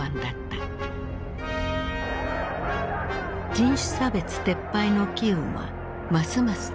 人種差別撤廃の機運はますます高まった。